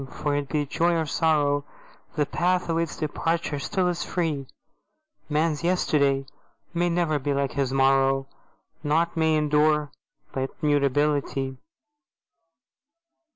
For, be it joy or sorrow, The path of its departure still is free: Man's yesterday may ne'er be like his morrow; Nought may endure but Mutability.